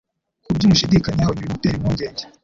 kubyo kumushidikanyaho n'ibimutera impungenge.